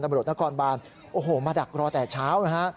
ตำรวจนครบานโอ้โหมาดักรอแต่เช้านะฮะ